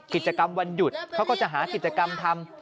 กิจกรรมวันหยุดเขาก็จะหากิจกรรมทำ